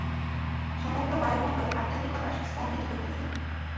সমগ্র বায়ুমণ্ডল আধ্যাত্মিকতায় স্পন্দিত হইতেছে।